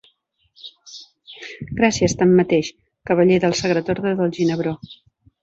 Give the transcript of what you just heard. Gràcies, tanmateix, cavaller del Sagrat Orde del Ginebró.